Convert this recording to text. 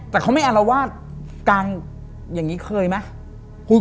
แต่เขาไม่อารวาสกลางอย่างนี้เคยไหม